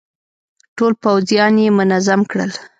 ټول پوځيان يې منظم کړل.